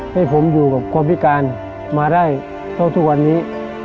ให้ผมอยู่กับคนพิการมาได้เท่าทุกวันนี้